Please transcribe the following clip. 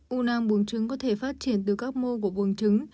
u nang buông trứng có thể phát triển từ các mô của buông trứng